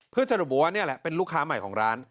เพื่อสรุปว่านี่แหละเป็นลูกค้าใหม่ของร้าน